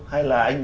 hay là anh